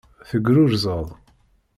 Tegrurzeḍ.